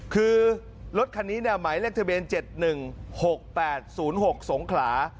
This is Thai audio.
คือรถคันนี้หมายเลขทะเบียน๗๑๖๘๐๖สงขลา